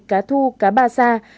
cá thu cá ba sa